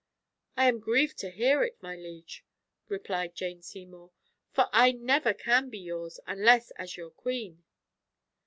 "I am grieved to hear it, my liege," replied Jane Seymour, "for I never can be yours, unless as your queen."